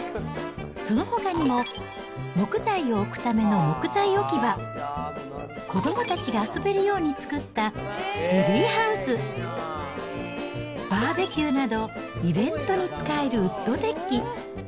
そのほかにも、木材を置くための木材置き場、子どもたちが遊べるように作ったツリーハウス、バーベキューなど、イベントに使えるウッドデッキ。